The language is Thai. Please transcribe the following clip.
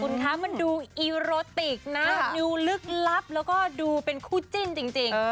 คุณคะมันดูอีโรติกนะดูลึกลับแล้วก็ดูเป็นคู่จิ้นจริง